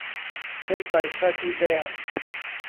เธอใส่คาร์กิแดน